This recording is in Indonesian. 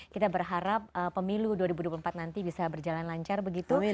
kita berharap pemilu dua ribu dua puluh empat nanti bisa berjalan lancar begitu